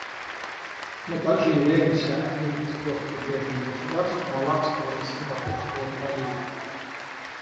Мы также являемся одним из трех прибрежных государств Малаккского и Сингапурского проливов.